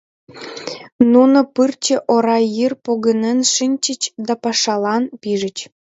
Нуно пырче ора йыр погынен шинчыч да пашалан пижыч.